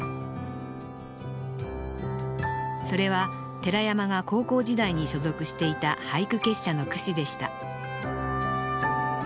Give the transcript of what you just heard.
それは寺山が高校時代に所属していた俳句結社の句誌でした